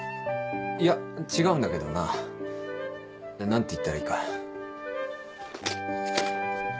いや違うんだけどな何て言ったらいいか。